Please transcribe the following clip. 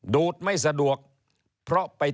ดูดไม่สะดวกเพราะไป